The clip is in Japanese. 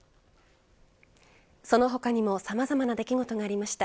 その他にもさまざまな出来事がありました。